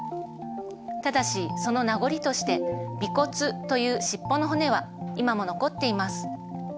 ただしその名残として尾骨という尻尾の骨は今も残っています。